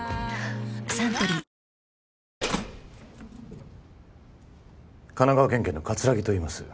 サントリー神奈川県警の葛城といいます